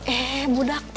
eh budak teh